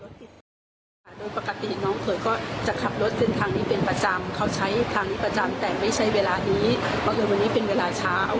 ทำให้เสียชีวิตทันทีที่เกิดที่นี่ค่ะ